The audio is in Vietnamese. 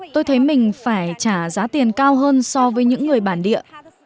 tôi thấy mình phải trả giá tiền cao hơn so với những người bản địa